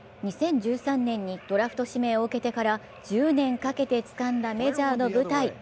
２０１３年にドラフト指名を受けてから１０年かけてつかんだメジャーの舞台。